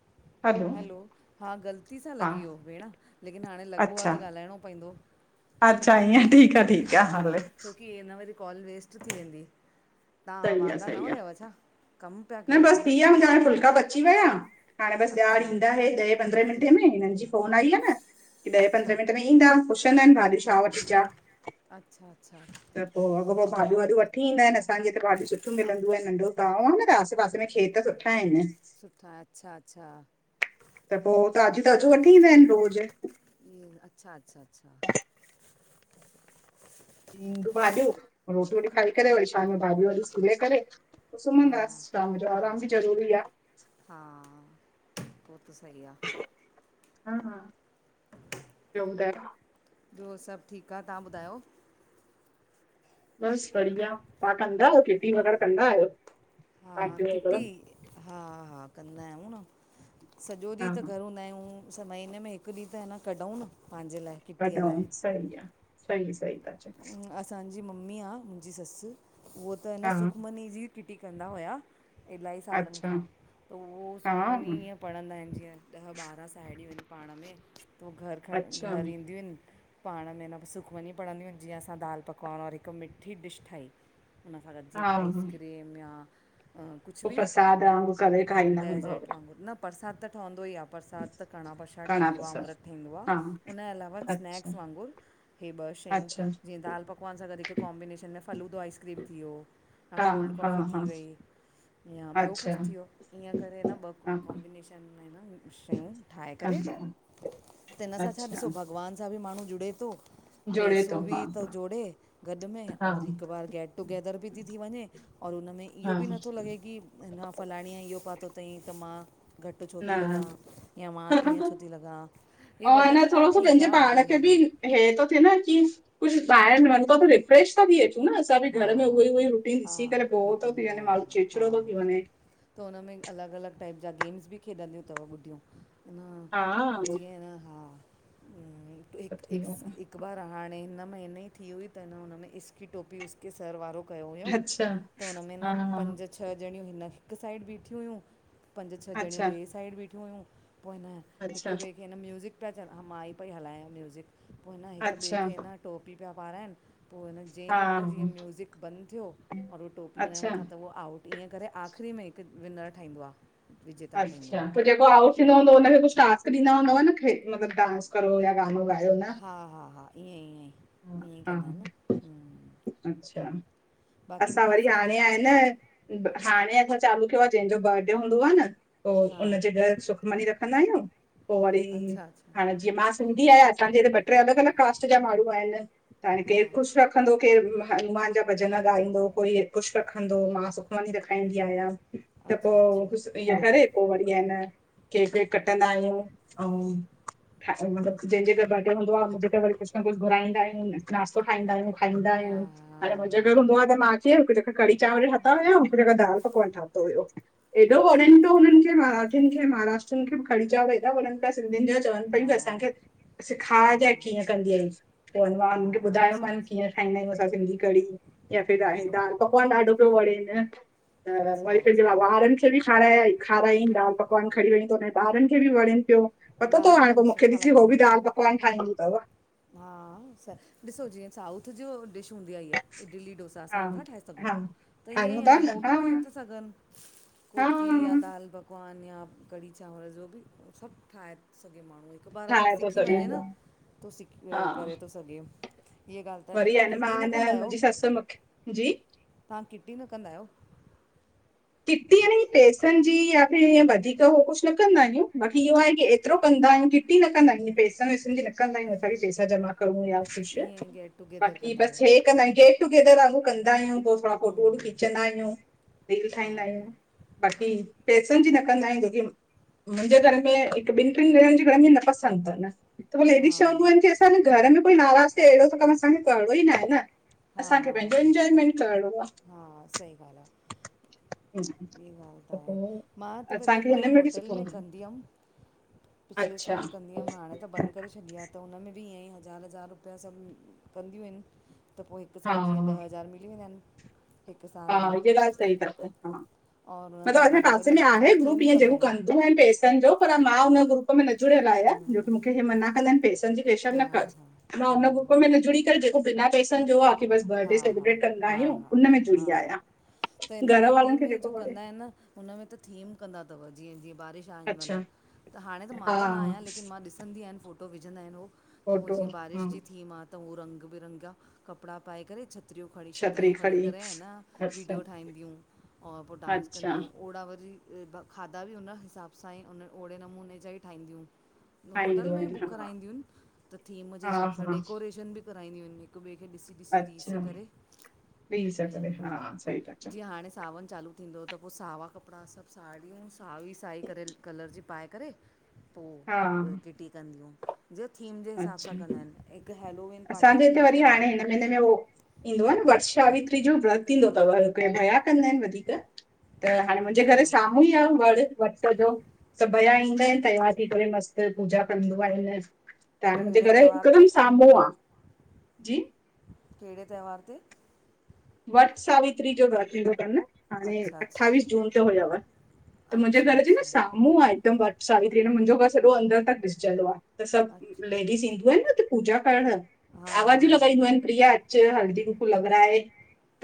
[inaudible] हलो हा गलती सां लॻी हा वियो भेण, लेकिन हाणे लॻो आ अच्छा त ॻाल्हाइणो पइदो अच्छा इएं ठीकु आ ठीकु आ हले की न वरी कॉल वेस्ट थी वेंदी, तहां सही आ वांदा न सही आ हुयव छा? कमु पिया न कयो बसि थी विया तव्हां मुंहिंजा हाणे फुल्का पची विया, हाणे बसि ॼाण अच्छा ईंदा हे ॾहे पंद्रहें मिंटे में हिननि जी फोन आई आ न की ॾहें पंद्रहें अच्छा मिंट में ईंदा, पुछंदानि भाॼी छा वठीचां? अच्छा अच्छा त पो अॻो पो भाॼियूं वाॼियूं वठी ईंदा आहिनि असांजे त भाॼियूं सुठियूं मिलंदियूं नंढो गांव आ न रास हिते पासे में खेत सुठा आहिनि। सुठा, अच्छा अच्छा त पो ताजियू ताजूं वठी ईंदा आहिनि रोजु ईअं, अच्छा अच्छा अच्छा [unintelligible] ईंदी भाॼियूं, रोटी वोटी खाई करे वरी शाम भाॼियूं वाॼियूं सीले करे हा सुम्हंदासीं शाम जो हा आरामु बि जरूरी आ। हा, उहो त सही आ। हा हा [unintelligible] ॿियो ॿुधायो? ॿियो सभु ठीकु आ तहां ॿुधायो? बस बढ़िया, तहां कंदा आहियो किटी वगैरह कंदा आहियो? हा पार्टी किटी वग़ैरह हा हा कंदा आहियूं न। सॼो हा ॾींहुं त हा घर हूंदा आहियूं महिने में हिकु ॾींहुं त हिन कढूं न पंहिंजे लाइ किटीअ कढऊं लाइ। सही आ, सही सही ता चओ। असांजी मम्मी आ मुंहिंजी ससु उहा त अन हा सुखमनी जी किटी कंदा हुया इलाही सालनि अच्छा खां पो उहो हा सुखमनी ईअं पढ़ंदा आहिनि जीअं ॾह ॿारहं साहेड़ियूं आहिनि पाण में त उहे घरु खण अच्छा घरु ईंदियूं आहिनि पाण मे न सुखमणी पढ़ंदियूं आहिनि जीअं असां दालि पकवान और हिक मिठी डिश ठाही हुनसां गॾि जीअं हा आइसक्रीम या कुझु पोइ बि प्रसाद वांगुरु करे खाईंदा हूंदव डेजर्ट वांगुरु न परसाद त ठहंदो ई आ। प्रसादु त कणा प्रसादु कड़ाह ठहींदो आ प्रसाद अमृत ठहींदो आ हा उनजे अलावा अच्छा स्नैक्स वांगुरु हे ॿ शयूं अच्छा जीअं दाल पकवान सां गॾु हिकु कोम्बिनेशन में फालूदो आइस्क्रीम थी वियो हा कोल्ड हा कॉफी हा थी वई या ॿियो अच्छा कुझु हा थियो ईअं करे न ॿ कॉम्बिनेशन में न शयूं ठाहे करे कंदा आहियो त हिन सां छा ॾिसो अच्छा भॻवान सां बि माण्हू जुड़े थो जूड़े थो हा तो जोड़े गॾु में हा और हिक बार गेट टुगेदर बि थी थी वञे और हुनमें इहो हा बि नथो लॻे की हिन फलाणी इहो पातो तई त मां घटि छो थी लॻां? न या मां ईअं छो थी लॻां? हे और अञा वॾनि लाइ थोरो सो ठीकु पंहिंजे आ वॾी पाण खे उमर बि में हे थो थिए न की कुछ ॿाहिर वञदो किॾे? फ्रेश ता थी अचूं न असां बि हा घर में हा उह ई- उह ई रुटीन हा ॾिसी करे बोर तो ॾिठिन थी वञे हा माण्हूं, हा हा चिड़चिड़ो तो थी हा वञे। त उन्हमें अलॻि-अलॻि टाइप जा गेम्स बि खेॾंदियूं तव ॿुढियूं। अ हा उहो जीअं न हा, त हिक् थी हिक्स वञे हिक हिक बार हाणे हिन महिनें ई थी हुई त हिन हुन में इसकी टोपी उसके सर वारो कयो हुयंउ अच्छा त हुनमें में हा न पंज छह ॾणियूं हिन हिक साइड बीठियूं हुयूं पंज छह ॾणियूं अच्छा ॿिए साइड बीठियूं हुयूं पो हिन हिक अच्छा ॿिए खे न म्यूज़िक पिया चवनि हा मां ई पई हलायां म्यूज़िक पो न हिक ॿिए अच्छा खे न टोपी पिया पाराइनि, पो हिन हा जंहिंजे मथ मथां जीअं म्यूज़िक बंदि थियो और हो टोपी हुनजे अच्छा मथां त उहो आउट ईअं करे आख़िरी में हिकु विनर ठहींदो आ। अच्छा फिर जेको आउट थींदो हूंदो हुनखे कुछ टास्क ॾींदा हूंदव न खे मतलबु डांस करो या गानो गायो न हा-हा, हा ईंयें, ईयें हा ई, ईयं ई हा, कंदा हिनि न हूं अच्छा असां वरी हाणे आहे न हाणें असां चालू क्यो आ जंहिंजो बर्डे हूंदो आ न पो हा उन्हजे घर सुख मनी रखंदा आहियूं पो वरी, अच्छा अच्छा हाणे जीअं मां सिंधी आहियां असांजे हिते ॿट्रे अलॻि अलॻि कास्ट जा माण्हूं आहिन त हाणें हा केर कुछ रख रखंदो केरु हनुमान जा भॼन ॻाईंदों कोई कुछ रखंदो मां सुखमनी रखंद खाईंदीं आहियां त पो अच्छा अच्छा कुछ ईय करे पो वरी आहे न केक वेक कटंदा आहियूं अउं हा मतलब जंहिंजे घर बर्डे हूंदो आ उनजे घर वरी कुछ न कुछ घुराईंदां आहियूं, नास्तो ठाहींदा आहियूं, खाईंदा हा आहियूं, हा हाणे भाई जे हा अगर हुंदो आ त मां अची वयम हिकु जॻह कढ़ी चांवर ठाता हुया हिकु जॻह दाल पकवान ठातो हुयो। एॾो अच्छा वणेंन पियो अच्छा हुननि खे मराठियुनि खे महाराष्ट्रनि खे बि कड़ी चांवर एॾा वणनि पिया सिंधियुनि जा चवनि पईयूं हा असांखे सिखार जाइ हा कीअं कंदी आइं हा चयोमान उनखे ॿुधायो अच्छा मान अच्छा कीअं ठाहींदा आहियूं असां सिंधी कड़ी, या फिर हा हे दाल हा पकवान ॾाढो पियो वणेन अच्छा हरी अच्छा व [unintelligible] तॾी खाराए आई, खारायंइनि दाल पकवान खणीं वयूं त हुनये ॿारनि खे बि वणेनि पियो पतो दाल तव हाणे पकवान पो त मुखे सुठा ॾिसी हो लॻंदा बि आहिनि दाल पकवान ठाहींदियुं तव। हा स ॾिसो जीअं साउथ जो डिश हूंदी आ हीअ इडली डोसा असां हा नथा ठाहे सघऊं? हा त ठाहियूं ईयंइ था आहे न हो बि हा ठाहे ता सघनि कोकी या हा दाल पक पकवान या कढ़ी चांवर जो बि सभु ठाहे सॻे माण्हूं हिकु बार अगरि ठाहे थो सिखी सघे वंञें न पियो तो सिख हा करे तो सघे हीअ ॻाल्हि त अॼु वरी तहां आहे किटी मां न कंदा आहियो, मुंहिंजी ससु मूंखे जी तहां किटी न कंदा आहियो? किटी याने पैसनि जी यां फिर इय वधीक हो कुछ न कंदा आहियूं बाक़ी इह्यो आहे की ए एतिरो कंदा आहियूं किटी न कंदा आहियूं पैसनि वैसनि जी न कंदा आहियूं असां कि पैसा जमा करूं या कुछु ईअं गेट टुगेदर बाक़ी कंदा आहियो बसि हे कंदायूं गेट- टुगेदर वांॻुर कंदा आहियूं पो थोड़ा फ़ोटु-वोटु हम्म खीचंदा आहियूं। रील हा ठाहींदा आहियूं बाक़ी पैसनि जी न कंदा आहियूं जोकी मुंहिंजे घर में हिकु ॿिनि ट्रिनि ॼणनि जी घर में न पसंदि तन हिते मतलब हा लेडीस हा चवंदियूं हा आहिनि की असांजे घर में कोई नाराज़ थिए अहिड़ो त कमु असांखे करिणो ई ना आहे न। हा असांखे पंहिंजो एंजॉयमेंट करणो आ। हा सही ॻाल्हि आ। आहे ही ॻाल्हि त आहे मां त वरी हिन असांखे बि होटल सुठो में लॻो। कंदी हम पिछले अच्छा साल कंदी त मां हाणे त बंद करे छॾी आ त हुन में बि ईअं ई हज़ार-हज़ार रुपया सभु कंदियूं आहिनि। त पो हिकु हा साथ जीअं ॾह हज़ार मिली वेदांत इन। हा इअ ॻाल सही तव हा और हुन मतलब सां असान्जे गॾु पासे वरी में असां आहे ग्रुप थीम ईंअ कंदा जेको आहियूं कन्दू आहिन पेस सन जो पर मां हुन ग्रुप में न जुड़ियल आहियां जोकी हम्म मूंखे हे मना कंदा आहिनि पैसनि जी पेशन हा न कर हा मां हुन ग्रुप हम्म में न जुड़ी करे जेको बिना पैसनि जो आ बस हा बर्डे हा सेलिब्रेट कंदा हा आहियूं हा उन हा में हा जुड़ी हा आहियां घर वारनि खे जेको वणे। इन हुन में त थीम कंदा तव जिअं जिअं बारिश आ हिन महिल अच्छा त हाणे त मां हा त न आहियां, लेकिन मां ॾिसंदी आहियांन फोटो विझंदा आहिनि हो त उ फोटो जीअं बारिश हम्म, जी थीम आ त हू रंग बिरंगा कपिड़ा पाए करे छ छतरियूं खणी छटरियूं खणी करे ह न अच्छा विडियो ठाहींदियूं और पो डांस अच्छा कंदियूं ओड़ा वरी खाधा बि हुन हिसाब सां ई उन ओड़े नमूने जा ई ठाहींदियूं। होटल आईंदो में ही आहिनि बुक हा कराईंदियूं आहिनि त थीम जे हा हिसाब सां हा डेकोरेशन बि कराईंदियूं इन हिक ॿिए खे‌ ॾिसी ॾिसी जी रीस अच्छा करे ॾेई ईअ। सघंदे हा सही था चओ जिअं हाणे सावन चालू थींदो त पो सावा कपिड़ा सभ साड़ियूं साई साई करे कलर जी पाए करे पो हा किटी कंदियूं जो थीम जे हिसाब अच्छा सां कंदा आहिनि हिकु हैलोवेिन पार्टी थींदी तव हिनमें उ ईंदो आ न वटसावित्री जो व्रत ईंदो तव भया कंदा आहिनि वधीक त हाणे मुंहिंजे घर अच्छा जे साम्हूं ई आ वड़ वट जो त भया ईंदा आहिनि तैयारी करे मस्त पूजा कंदीयूं आहिनि त मुंहिंजे कहिड़े घर ज़े त्योहार ते हिकदमि साम्हूं आ जी कहिड़े त्योहार ते? वट सावित्री जो व्रत थींदो तनि न। हाणे अच्छा अठावीस अच्छा जून जो हुयव त मुंहिंजे अच्छा घर जे न अच्छा साम्हूं आ हिकदमि वट सावित्री जो मुंहिंजो घर सॼो अंदर तक ॾिसजंदो आ त सभु अच्छा लेडीस ईंदियूं आहिनि न हुते पूजा करण हा हा हा आवाजूं लॻाईंदीयूं आहिन प्रिया अच हलदींकूंकू लगराए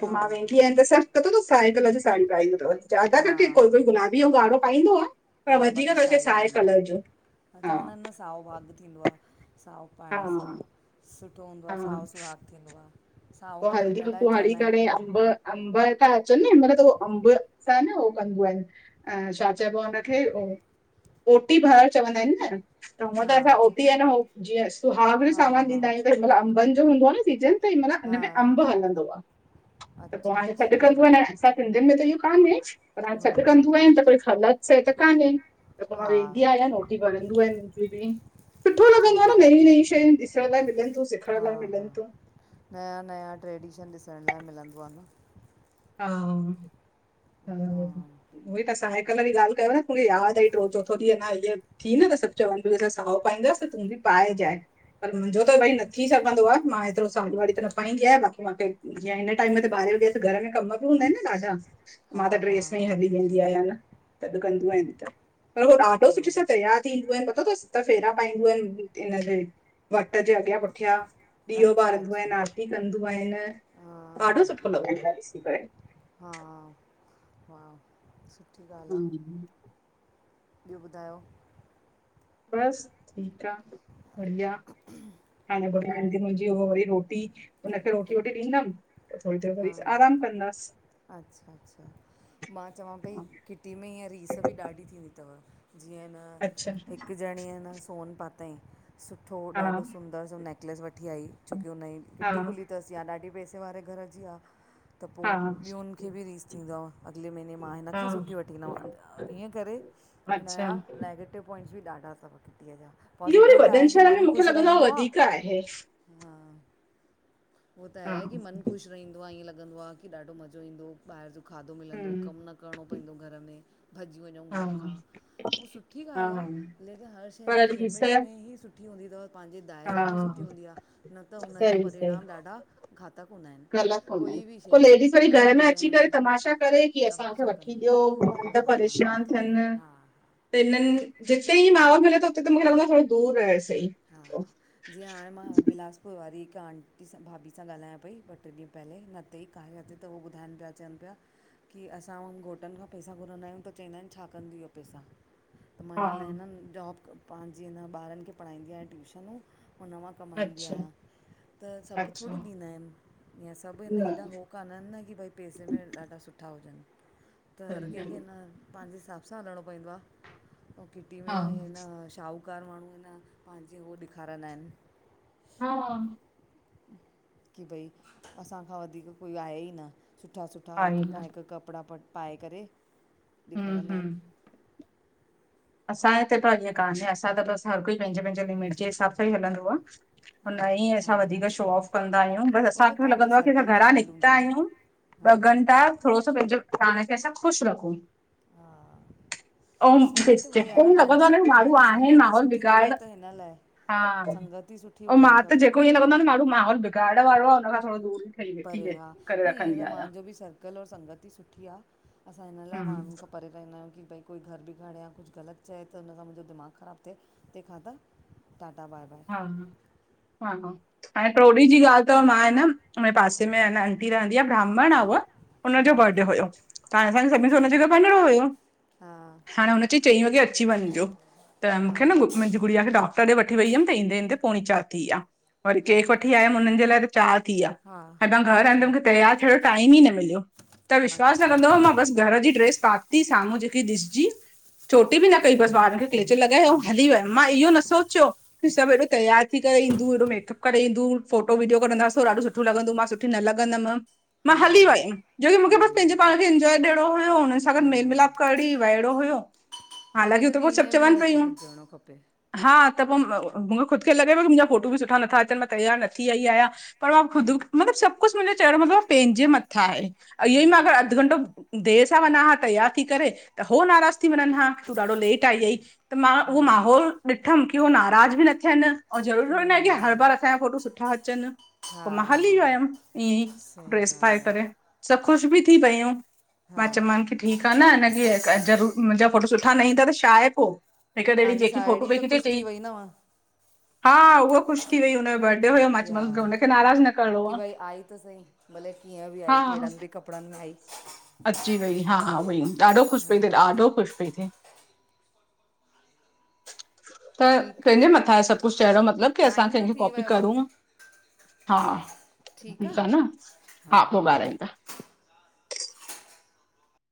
पो हा मां हा वेंदी आयां त सब पतो तव साए कलर ज़ी साड़ी पाए इंदी तव ज्यादा हा करके कोई कोई हा गुलाबी गुलाबी औ ॻाढ़ो पाईंदो आ हा पर वधीक बाक़ी करके साई साए हलंदा कलर जो तव। हा चवंदा आहिनि न साओ भाॻु थींदो आ, साओ हा पाइण सां, सुठो हूंदो आ हा साओ सुहाग थींदो आ। पो हल्दी कुंकु हणी करे अंब अंब ता अचनि न हिनमहिल त अमब सां न हो कंदीयूं आहिनि अं छा चइबो हुन खे ओटी भरण चवंदा आहिनि न त हूअं त असां न ओटी ह न हो जीअं सुहागन जो हा हा सामान ॾींदा आहियूं हा त हिनमहल अंबनि जो हूंदो न सीजन त हा हुनमें अंब हलंदो आ। त पो अच्छा हाणे सॾु अच्छा कंदोयूं आहिन असां सिंधियुनि में त इहो कान्हे पर हाणे हा सॾ कंदीयूं आहिन त कोई गलत छह त कान्हे। त पो मां वेंदी हा आहियांन ओटी भरंदीयूं आहिन मुंहिंजी बि सुठो लॻंदो आ सही न ॻाल्हि नयूं आहे नयूं शयूं ॾिसण लाइ मिलनि थियूं सिखण लाइ मिलनि तूं। नयां नयां ट्रैडिशन ॾिसण लाइ मिलंदो आ न। हा हम्म उहे तां साए कलर जी ॻाल्हि कयव न मूंखे यादि आई ट्रयो चोथो ॾीहं अञा इय थी न त सभु चवनि पयूं त असां साओ पाईंदासीं त तूं बि पाएजाए। पर मुंहिंजो त भई न थी सघंदो आ मां हेएतिरो साड़ी वाड़ी त न पाईंदी आहियां बाक़ी मां खे जीअं हिन टाइम में ते ॿारें वॼे त घर में कम बि हूंदा आहिन न ॾाढा हा मां हा त हा ड्रेस में हा ही हली वेन् वेंदी आहियां न, सॾ कंदियूं आहिन त। पर उहो ॾाढो सुठे सां तयारु थींदियूं आहिन पतो थस सत फेरा पाईंदियूं आहिन हिन ते। वट जे अॻियां पुठियां - - ॾीओ अच्छा ॿारींदोयूं अच्छा आहिन, आरती कंदियूं आहिन ॾाढो सुठो लॻंदो आ। हा हा - - हूं - - ॿियो ॿुधायो? बसि ठीकु आ, बढ़िया। हाणे ॿुधाय वई मुंहिंजी उहा वरी रोटी हुनखे रोटी वोटी ॾींदमि त थोड़ी देर वरी आराम कंदास। अच्छा अच्छा मां चवां पई किटी में हीअं रीस बि ॾाढी थींदी थव। जीअं न अच्छा हिकु ॼणी हे न सोन पातईं, सुठो हा ॾाढो सुंदर सो नेकलेस वठी आई छोकी हुनजी हा किटी खुली। तसि आहे हा, ॾाढी पैसे वारे घर जी आ। त पो हा ॿियुनि खे बि रीस थींदो आ। अॻिले महीने मां हिन हा खां सुठी वठी ईंदोमि ईअं करे अच्छा हिनजा नैगेटिव पॉइंट्स बि ॾाढा थव। किटीअ जा। इहो पॉज़िटिव वरी त आहे वॾनि की शहरनि मन में मूंखे ख़ुशि लॻंदो आहे रहिंदो आ। वधीक आहे हा हूअ त हा आहे की मनु ख़ुशि रहंदो आ। ईअं लॻंदो आ की ॾाढो मज़ो ईंदो ॿाहिरि जो खाधो मिलंदो हम्म कमु न करिणो पईंदो घर में। भॼी वञूं हा घर खां। उहा सुठी ॻाल्हि आ, हा लेकिन हर शइ पर हिकु ॾिस लिमिट में हा ई सुठी सुठी हूंदी थव। पंहिंजे दाइरे में सुठी हूंदी आ न त हुनजा परिणाम ॾाढा घातक हूंदा आहिनि ग़लत हूंदा आहिन। कोई बि पो शइ जा लेडीस वरी घर में अची तोड़ण करे तमाशा करे की असांखे वठी ॾियो, हा मर्द परेशान वठी ॾियो थियनि। हा हा त हिननि जिते ई माहौल मिले थो उते त मुखे लॻंदो आहे थोड़ो दूर रहे सही हा। जीअं हाणे मां बिलासपुर वारी हिकु आंटी सां भाभी सां ॻाल्हायां पई ॿ टे ॾींहं पहले न उते ई कार्या ते त हू ॿुधाइनि पिया चवनि पिया की असां हुन घोटनि खां पैसा घुरंदा आहियूं त चईंदा आहिनि छा कंदियूं इह पैसा? त मां हा हिन लाइ न जॉब पंहिंज जीअ न ॿारनि खे पढ़ाईंदी आहियां ट्यूशनूं हुन मां कमाईंदी अच्छा आहियां। त सभु अच्छा थोड़ी ॾींदा आहिन यां सभु हिन न हेॾां हो कान आहिनि न की भई पैसे में ॾाढा सुठा हुजनि त हर सही कंहिंखे आ। न पांजे हिसाब सां हलणो पईंदो आ, अऊं किटी में हा त न शाहूकार माण्हू ईंदा आहिन। पांजी हू ॾेखारींदा आहिन। हा। की भई असांखां वधीक कोई आहे ई न सुठा सुठा आहे हिक न खां हिक कपिड़ा पट पाए करे हम्म ॾेखारींदा आहिन। हम्म असांजे हिते त ईअ कान्हे। असां त बसि हर कोई पंहिंजे पंहिंजे लिमिट जे हिसाब सां ई हलंदो आ। हा न ई हा असां हा वधीक शो ऑफ कंदा आहियूं। बसि उहो त असांखे तव्हांजे लॻंदो आहे की असां सर्कल जी घरां ॻाल्हि हूंदी निकिता आहे आहियूं न हा। थोड़ो सो पंहिंजो पाण खे असां ख़ुशि रखूं हा इऊं न त उहोई जेके लॻंदो आहे तव्हांजी न म माण्हू तव्हांजी आहे संगति माहौल सुठी अथव बिगाड़ त हिन लाइ हा संगति सुठी ऐं मां हुजणी त खपे जेको ईअं न कंदो आहे न माण्हू माहौल बिगाड़ण वारो आहे हुन खां थोड़ो दूर ठही वेठी परे वे- हा करे न ईअं रखंदी त आहियां। मुंहिंजो बि सर अॻल और संगति सुठी आ। असां हिन लाइ हम्म, माण्हुनि खां परे रहंदा आहियूं की भई कोई घर बि खणे या कुछ ग़लत चए त हुन सां मुंहिंजो दिमाग़ ख़राबु थिए तंहिंखा त टाटा बाय बाय। हा हा, हाणे ट्रोॾिहिं जी ॻाल्हि तव मां हे न हुनजे पासे में आहे न आंटी रहंदी आ ब्राह्मण आ हुअ उन्हजो हा बर्डे हुयो पांण असांखे सभिनी खे अच्छा उनजे घर वंञिंणो हुयो हा हाणे उन्ह चई चईं वॻे अची वंञिंजो त हा मुखे न मुंहिंजी गु गुड़िया खे डॉक्टर ॾे वठी वई हमि ईंदें ईंदे पोणी चार थी या वरी हा केक वठी आयमि हुननि जे लाइ त चार थी या हा हेॾा घर आयम अच्छा मुखे तैयार थियंण यो टाइम ई न मिलियो तहां विश्वासु न अच्छा कंदव मां बसि घर जी ड्रेस पाती साम्हूं जेकी ॾिसजी चोटी बि न कई बसि वारन खे क्लेचर लॻाए अंउं हली वयम मां इह्यो न सोचियो कि सभु एॾो तैयार थी करे इंदियूं हेॾो मेकअप करे ईंदूं फोटो विडियो कढंदास‌ हो ॾाढो सुठियुं लंॻंदियुं मां सुठी न लॻंदमि मां हा हली वयमि जोकी मुखे बसि पंहिंजे हम्म पांण खे इन्जॉय ॾियणो हुयो ऐं हुननि सां गॾु हा मेल मिलाप करड़ी वहिड़ो हुयो हालाकी कॾहिं हुते हो कॾहिं सभु ईअं बि चवनि हु पयूं हुजणो खपे हा त पो मु मूंखे ख़ुदि खे लॻे पियो कि मुंहिंजा फ़ोटू ॿि सुठा नथा अचनि मां तैयार न थी आई आहियां पर मां ख़ुदि मतिलबु सभु कुछ मुंहिंजो चवण जो मतिलब आ पंहिंजे मथां ए। अंउ इह्योइ मां अगर अधु घंटो देर सां वंञां हां तैयार थी करे त हो नाराज़ थी वंञंनि हा तूं ॾाढो लेट आई आहीं त मां उहो माहौल ॾिठमि की हो नाराज़ ॿि न थियनि ओं ज़रूरी थोरी ना हे कि हर बार असांजा फ़ोटुं सुठा अचनि पो हा मां हा हली वयमि ईअं ई सही ड्रेस पाए ॻाल्हि आहे करे सभु ख़ुशि ॿि थी पयूं हा मां चयोमानि की ठीकु आ न हिनखे ज़रूर मुंहिंजा फ़ोटु सुट्ठा न ईंदा त छाहे पो हिक ॼड़ीं जेकी फोटु पई खींचे च्यईं हिन वा हा उह ख़ुशि थी वई हुनॼो बड कि हा कि भई आई त सहीं भले कीअं ॿि आई केड़हनि ते कपड़न में आई अच्ची वई हा हा भईं ॾाढो ख़ुशि हा पई थिये ॾाढो ख़ुशि पई थिये त ठीकु पंहिंजे आहे मथां हे सभु कुछ चंइण जो मतलबु कि असां टाइम त कंहिंखे थी कॉपी वियो करूं आहे हा ठीकु ठीक आहे आ न हा पो ॻाल्हायुंता